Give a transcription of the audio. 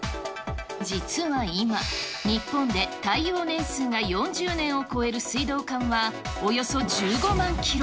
実は今、日本で耐用年数が４０年を超える水道管はおよそ１５万キロ。